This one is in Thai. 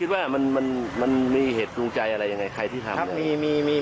คิดว่ามันมีเหตุภูมิใจอะไรอย่างไรใครที่ทำ